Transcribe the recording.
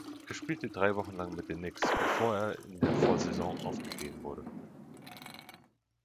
Er spielte drei Wochen lang mit den Knicks, bevor er in der Vorsaison aufgegeben wurde.